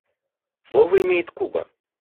Слово имеет Куба.